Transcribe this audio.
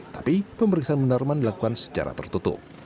tapi pemeriksaan munarman dilakukan secara tertutup